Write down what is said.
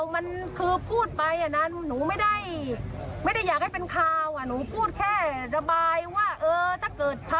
หมูหนูไม่ระบายอกแหละ